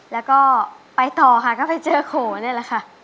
แล้วก็ไปต่อค่ะก็ไปเจอโขนี่แหละค่ะ